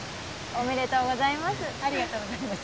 ありがとうございます。